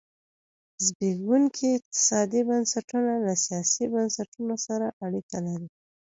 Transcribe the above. زبېښونکي اقتصادي بنسټونه له سیاسي بنسټونه سره اړیکه لري.